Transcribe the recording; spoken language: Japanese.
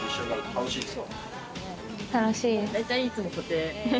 楽しいです。